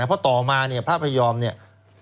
เพราะต่อมาเนี่ยพระพยอมเนี่ย